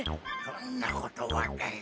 「そんなことはない」